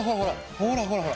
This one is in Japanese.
ほらほらほら。